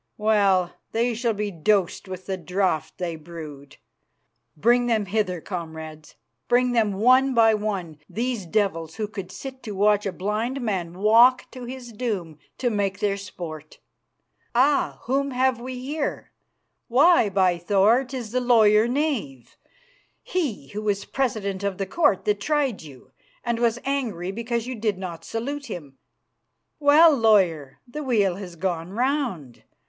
Well, they shall be dosed with the draught they brewed. "Bring them hither, comrades, bring them one by one, these devils who could sit to watch a blind man walk to his doom to make their sport. Ah! whom have we here? Why, by Thor! 'tis the lawyer knave, he who was president of the court that tried you, and was angry because you did not salute him. Well, lawyer, the wheel has gone round.